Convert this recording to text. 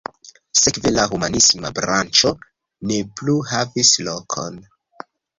Sekve la humanisma branĉo ne plu havis lokon.